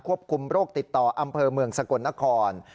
คุมโรคติดต่ออำเภอเมืองสกลนคร